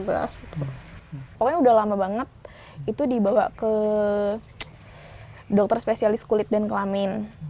pokoknya udah lama banget itu dibawa ke dokter spesialis kulit dan kelamin